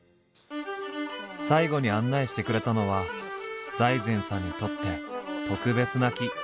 最後に案内してくれたのは財前さんにとって特別な木。